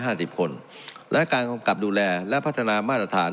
สิบคนและการกำกับดูแลและพัฒนามาตรฐาน